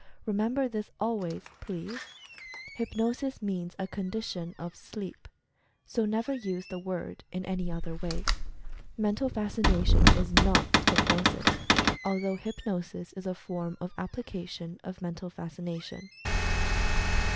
Remember this, always, please — HYPNOSIS MEANS A CONDITION OF SLEEP, so never use the word in any other way. Mental Fas cination is not Hypnosis, although Hypnosis is a form of application of Mental Fascination.